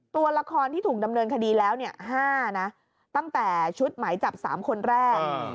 ตัวละครที่ถูกดำเนินคดีแล้ว๕นะตั้งแต่ชุดหมายจับ๓คนแรก